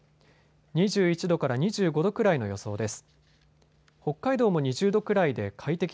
２１度から２５度くらいの予想です。